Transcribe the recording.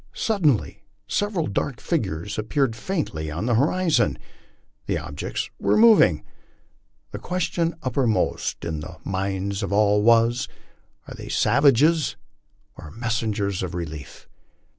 Suddenly several dark figures appeared faintly on the horizon. The objects were moving. The question uppermost in the minds of all was, Are they savages or messengers of relief?